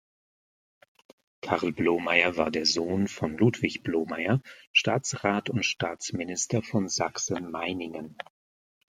Carl Blomeyer war der Sohn von Ludwig Blomeyer, Staatsrat und Staatsminister von Sachsen-Meiningen.